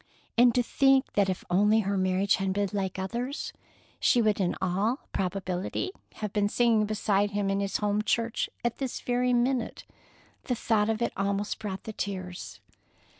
And to think that if only her marriage had been like others, she would in all probability have been singing beside him in his home church at this very minute! The thought of it almost brought the tears.